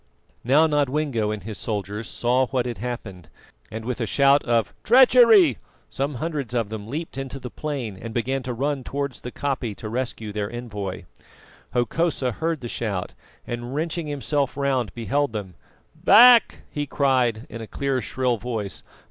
Now Nodwengo and his soldiers saw what had happened, and with a shout of "Treachery!" some hundreds of them leapt into the plain and began to run towards the koppie to rescue their envoy. Hokosa heard the shout, and wrenching himself round, beheld them. "Back!" he cried in a clear, shrill voice.